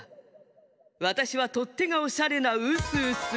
わたしはとってがおしゃれなウスウス。